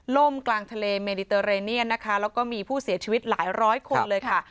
กลางทะเลเมดิเตอร์เรเนียนนะคะแล้วก็มีผู้เสียชีวิตหลายร้อยคนเลยค่ะ